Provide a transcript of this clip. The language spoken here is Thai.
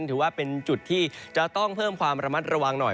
ถือว่าเป็นจุดที่จะต้องเพิ่มความระมัดระวังหน่อย